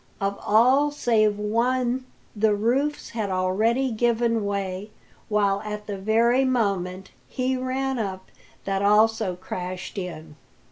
Of all save one the roofs had already given way, while at the very moment he ran up that also crashed in.